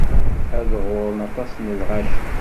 Ad ɣurren aṭas n lɣaci.